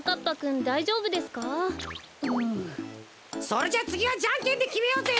それじゃつぎはじゃんけんできめようぜ！